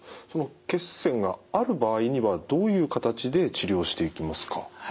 血栓がある場合にはどういう形で治療していきますか？